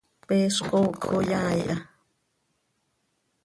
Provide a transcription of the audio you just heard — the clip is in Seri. Peez coocj oo yaai ha.